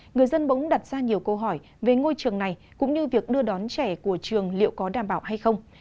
người dân bỗng đặt ra nhiều câu hỏi về ngôi trường này cũng như việc đưa đón trẻ của trường liệu có đảm bảo hay không